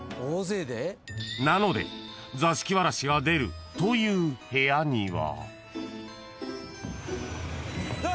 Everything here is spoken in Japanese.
［なので座敷わらしが出るという部屋には］